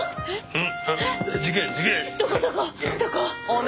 うん。